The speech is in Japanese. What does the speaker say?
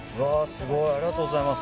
スゴいありがとうございます